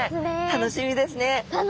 楽しみです。